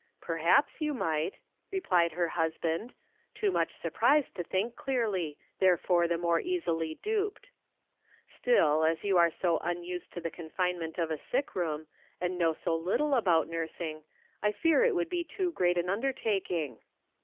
" Perhaps you might," replied , her husband, too much surprised to think clearly, therefore the more easily duped. " Still, as you are so unused to the confinement of a sick room, and know so little about nursing, I fear it would be too great an undertaking."